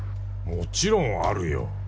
もちろんあるよ。